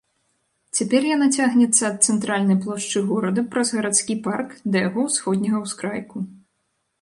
Цяпер яна цягнецца ад цэнтральнай плошчы горада, праз гарадскі парк, да яго ўсходняга ўскрайку.